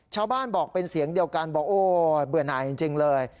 ชาวบ้านบอกเป็นเสียงเดียวกันบอกโอ้เบื่อหน่ายจริงเลย